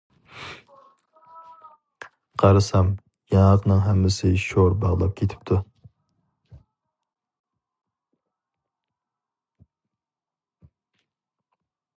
قارىسام، ياڭاقنىڭ ھەممىسى شور باغلاپ كېتىپتۇ.